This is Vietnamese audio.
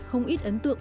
không ít ấn tượng